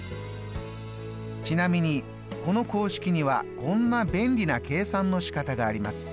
ちなみにこの公式にはこんな便利な計算の仕方があります。